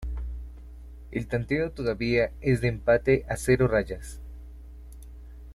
El tanteo todavía es de empate a cero rayas.